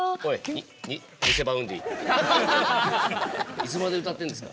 いつまで歌ってるんですか。